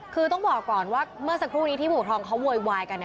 คือต้องบอกก่อนว่าเมื่อสักครู่นี้ที่ผู้ปกครองเขาโวยวายกันเนี่ย